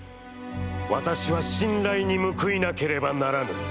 私は、信頼に報いなければならぬ。